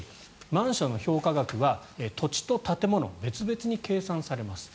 マンションの評価額は土地と建物別々に計算されます。